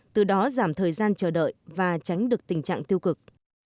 từ đó giảm thời gian chờ đợi và tránh được tình trạng tiêu cực